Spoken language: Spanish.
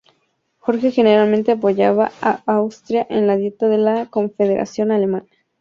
Jorge generalmente apoyaba a Austria en la Dieta de la Confederación Alemana.